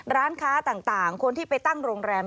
ร้านค้าต่างคนที่ไปตั้งโรงแรม